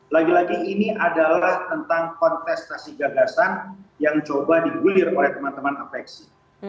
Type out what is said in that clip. lagi lagi ini adalah tentang kontestasi gagasan yang coba digulir oleh teman teman apeksi